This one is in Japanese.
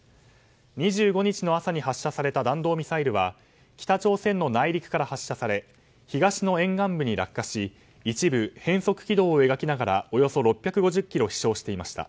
２５日の朝に発射された弾道ミサイルは北朝鮮の内陸から発射され東の沿岸部に落下し一部、変則軌道を描きながらおよそ６５０ｋｍ飛翔していました。